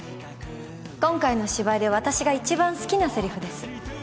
今回の芝居で私が一番好きなせりふです